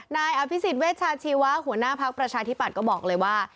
นายอภิษฎเวชาชีวะหัวหน้าพักประชาธิปัตย์ก็บอกเลยว่า